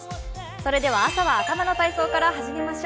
それでは朝は頭の体操から始めます。